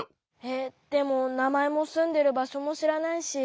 えっでもなまえもすんでるばしょもしらないし。